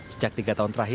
sejak tiga tahun terakhir